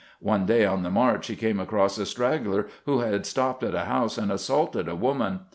One day on the march he came across a straggler who had stopped at a house and assaulted a woman.